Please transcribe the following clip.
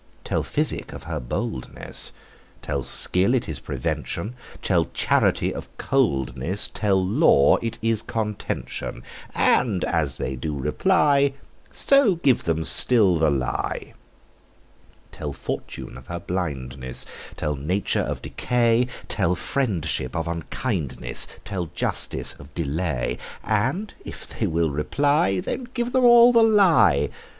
Tell physic of her boldness; Tell skill it is prevention; Tell charity of coldness; Tell law it is contention: And as they do reply, So give them still the lie. Tell fortune of her blindness; Tell nature of decay; Tell friendship of unkindness; Tell justice of delay: And if they will reply, Then give them all the lie.